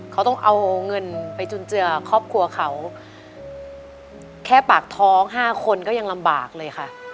เขาต้องเอาเงินไปจุนเจือครอบครัวเขาแค่ปากท้อง๕คนก็ยังลำบากเลยค่ะ